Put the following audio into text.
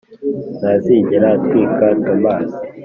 ntazigera atwika thomas